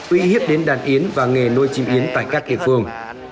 uy hiếp đến đàn yến và nghề nuôi chim yến tại các địa phương